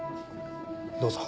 どうぞ。